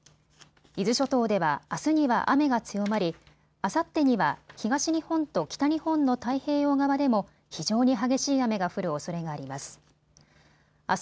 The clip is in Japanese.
伊豆諸島ではあすには雨が強まりあさってには東日本と北日本の太平洋側でも非常に激しい雨が降るおそれがあります。